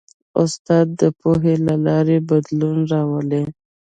استاد د پوهنې له لارې بدلون راولي.